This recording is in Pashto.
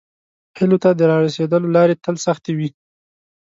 هیلو ته د راسیدلو لارې تل سختې وي.